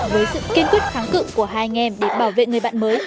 với sự kiên quyết thắng cự của hai anh em để bảo vệ người bạn mới